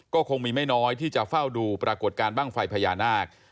ก็คงมีไม่น้อยที่จะเฝ้าดูปรากฏการณ์บ้างไฟพญานาค